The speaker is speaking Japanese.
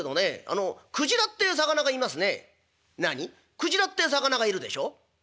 「くじらってぇ魚がいるでしょ？」。